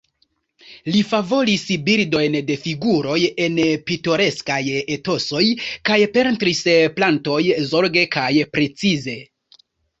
Li favoris bildojn de figuroj en pitoreskaj etosoj kaj pentris plantojn zorge kaj precize.